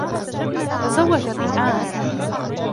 تزوج بآن.